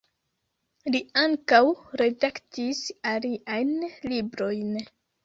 Li ankaŭ redaktis aliajn librojn.